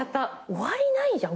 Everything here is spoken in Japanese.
終わりないじゃん？